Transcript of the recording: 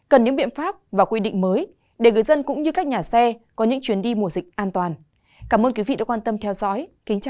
cảm ơn quý vị đã theo dõi